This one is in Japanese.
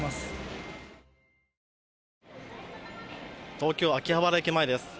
東京・秋葉原駅前です。